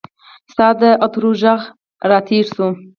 ستا د عطرو ږغ راتیر سو